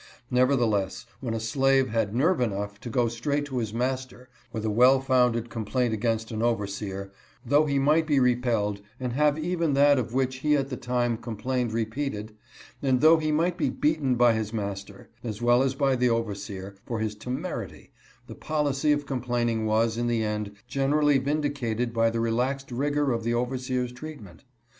Nevertheless, when a slave had nerve enough tt? q,c MASTER AND OVERSEER. 53 straight to his master with a well founded complaint against an overseer, though he might be repelled and have even that of which he at the time complained re peated, and though he might be beaten by his master, as well as by the overseer, for his termerity, the policy of complaining was, in the end, generally vindicated by the relaxed rigor of the overseer's treatment.